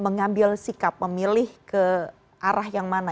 mengambil sikap memilih ke arah yang mana